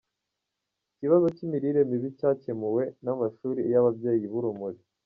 Ikibazo cy’imirire mibi cyakemuwe n’amashuri y’Ababyeyi b’Urumuri